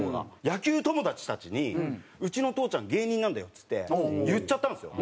野球友達たちに「うちの父ちゃん芸人なんだよ」っつって言っちゃったんですよ。